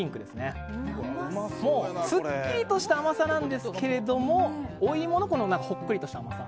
すっきりとした甘さですがお芋のほっこりとした甘さ。